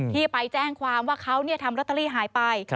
ที่ไปแจ้งความว่าเขาทำลอตเตอรี่หายไป